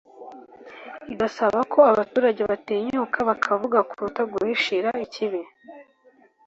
igasaba ko abaturage batinyuka bakavuga kuruta guhishira ikibi